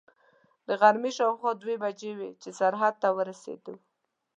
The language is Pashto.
د غرمې شاوخوا دوې بجې وې چې سرحد ته ورسېدو.